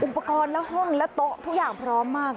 อุปกรณ์และห้องและโต๊ะทุกอย่างพร้อมมาก